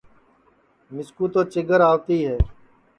مِسکُو تو چیگر آوتی ہے